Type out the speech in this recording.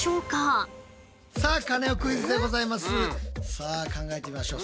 さあ考えてみましょう。